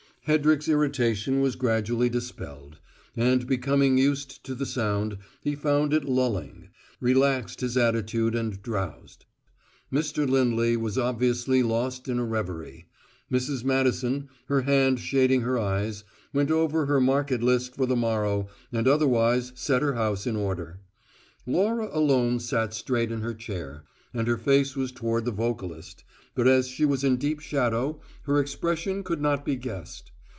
Hedrick's irritation was gradually dispelled; and, becoming used to the sound, he found it lulling; relaxed his attitude and drowsed; Mr. Lindley was obviously lost in a reverie; Mrs. Madison, her hand shading her eyes, went over her market list for the morrow and otherwise set her house in order; Laura alone sat straight in her chair; and her face was toward the vocalist, but as she was in deep shadow her expression could not be guessed.